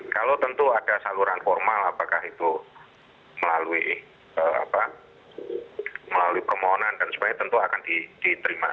kalau tentu ada saluran formal apakah itu melalui permohonan dan sebagainya tentu akan diterima